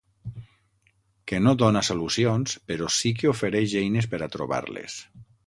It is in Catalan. Que no dóna solucions, però sí que ofereix eines per a trobar-les.